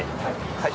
はい。